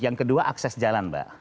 yang kedua akses jalan mbak